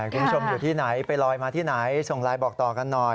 คุณผู้ชมอยู่ที่ไหนไปลอยมาที่ไหนส่งไลน์บอกต่อกันหน่อย